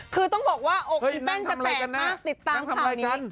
คือต้องบอกว่าอกอีแป้งจะแตกมากติดตามข่าวนี้